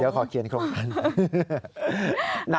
เดี๋ยวขอเขียนโครงการ